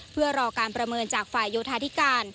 เพื่อรอการประเมินจากฝ่ายโยธาธิการ